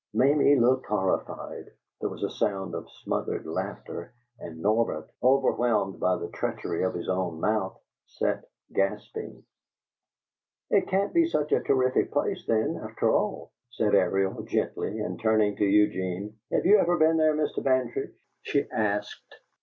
Mamie looked horrified; there was a sound of smothered laughter, and Norbert, overwhelmed by the treachery of his own mouth, sat gasping. "It can't be such a terrific place, then, after all," said Ariel, gently, and turning to Eugene, "Have you ever been there, Mr. Bantry?" she asked.